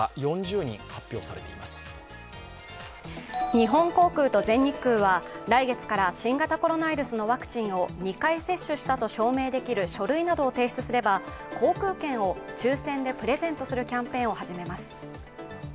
日本航空と全日空は、来月から新型コロナウイルスのワクチンを２回接種したと証明できる書類などを提出すれば航空券を抽選でプレゼントするキャンペーンを始めます。